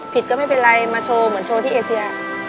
ก็ไม่เป็นไรมาโชว์เหมือนโชว์ที่เอเชีย